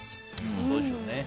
そうでしょうね。